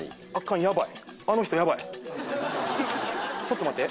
ちょっと待って。